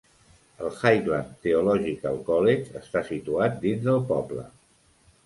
El Highland Theological College està situat dins del poble.